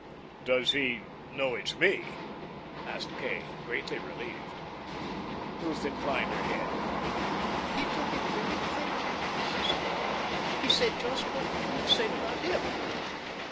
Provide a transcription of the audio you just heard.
"Does he know it's me?" asked Kay, greatly relieved. Ruth inclined her head. "He took it very finely," she said. "He said just what you've said about him.